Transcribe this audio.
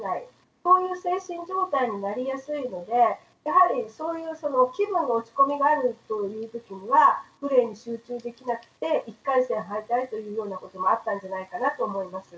こういう精神状態になりやすいのでやはりそういう気分の落ち込みがあるという時にはプレーに集中できなくて１回戦敗退ということもあったんじゃないかなと思います。